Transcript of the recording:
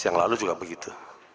yang lalu juga begitu